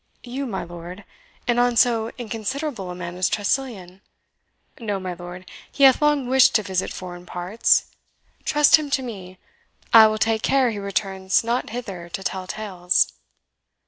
"You, my lord, and on so inconsiderable a man as Tressilian! No, my lord, he hath long wished to visit foreign parts. Trust him to me I will take care he returns not hither to tell tales."